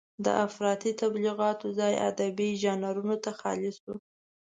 د افراطي تبليغاتو ځای ادبي ژانرونو ته خالي شو.